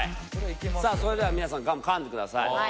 さぁそれでは皆さんガム噛んでください。